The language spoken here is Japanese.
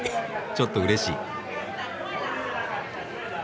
ちょっとうれしい。